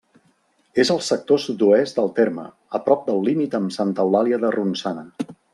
És al sector sud-oest del terme, a prop del límit amb Santa Eulàlia de Ronçana.